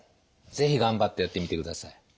是非頑張ってやってみてください。